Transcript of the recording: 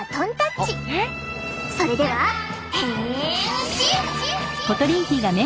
それでは変身！